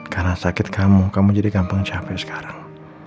karena sakit kamu kamu jadi gampang capek sekarang